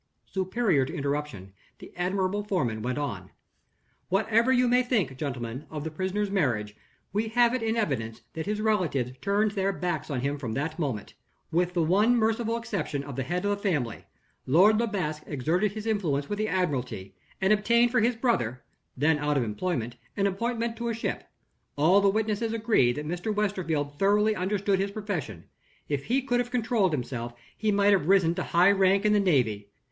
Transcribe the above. Superior to interruption, the admirable foreman went on: "Whatever you may think, gentlemen, of the prisoner's marriage, we have it in evidence that his relatives turned their backs on him from that moment with the one merciful exception of the head of the family. Lord Le Basque exerted his influence with the Admiralty, and obtained for his brother (then out of employment) an appointment to a ship. All the witnesses agree that Mr. Westerfield thoroughly understood his profession. If he could have controlled himself, he might have risen to high rank in the Navy.